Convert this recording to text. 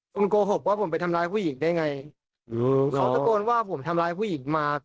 คุณโกหกว่าผมไปทำร้ายผู้หญิงได้ไงเขาตะโกนว่าผมทำร้ายผู้หญิงมา